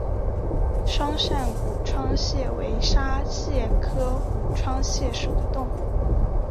双扇股窗蟹为沙蟹科股窗蟹属的动物。